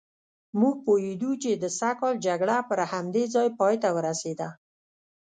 موږ پوهېدو چې د سږ کال جګړه پر همدې ځای پایته ورسېده.